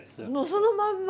そのまんま？